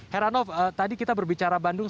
herr arnaud tadi kita berbicara bandung